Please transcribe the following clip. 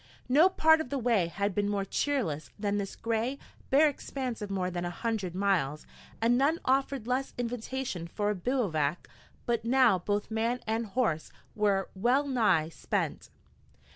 No part of the way had been more cheerless than this gray, bare expanse of more than a hundred miles, and none offered less invitation for a bivouac. But now both man and horse were well nigh spent.